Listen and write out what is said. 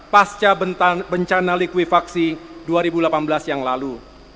pasca bencana likuifaksi dua ribu delapan belas yang lalu